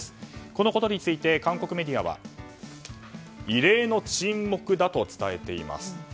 このことについて韓国メディアは異例の沈黙だと伝えています。